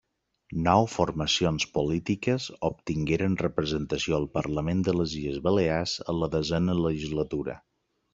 Nou formacions polítiques obtingueren representació al Parlament de les Illes Balears en la Desena Legislatura.